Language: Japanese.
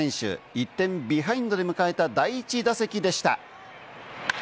１点ビハインドで迎えた第１打席でした。